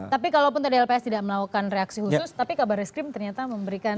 tapi kalaupun tadi lps tidak melakukan reaksi khusus tapi kabar reskrim ternyata memberikan